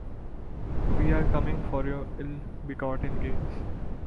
We are coming for your ill-begotten gains.